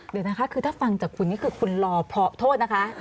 เดี๋ยวนะคะคือถ้าฟังจากคุณนี่คือคุณรอเพราะโทษนะคะ